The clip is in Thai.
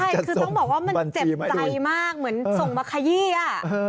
ใช่คือต้องบอกว่ามันเจ็บใจมากเหมือนส่งมาขยี้อะ